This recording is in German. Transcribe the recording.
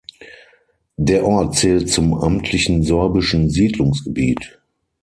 Der Ort zählt zum amtlichen sorbischen Siedlungsgebiet.